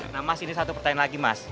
nah mas ini satu pertanyaan lagi mas